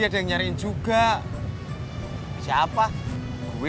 neng ani sibuk bos